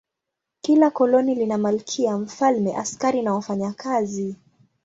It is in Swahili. Kila koloni lina malkia, mfalme, askari na wafanyakazi.